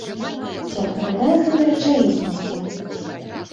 Ці адпавядае гэта рэчаіснасці?